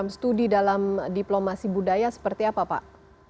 studi dalam diplomasi budaya seperti apa pak